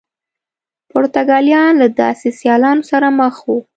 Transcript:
پرتګالیان له داسې سیالانو سره مخ وو.